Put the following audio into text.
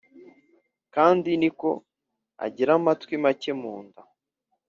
Kandi ni ko agira amatwi make munda